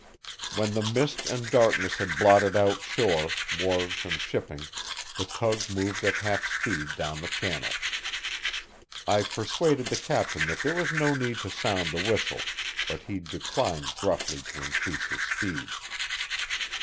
When the mist and darkness had blotted out shore, wharves and shipping, the tug moved at half speed down the channel. I persuaded the captain that there was no need to sound the whistle, but he declined gruffly to increase his speed.